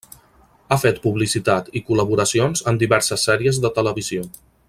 Ha fet publicitat i col·laboracions en diverses sèries de televisió.